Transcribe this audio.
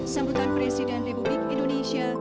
sambutan presiden republik indonesia